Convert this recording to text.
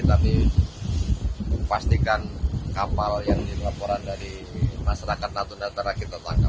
tapi pastikan kapal yang dilaporkan dari masyarakat natuna utara kita tangkap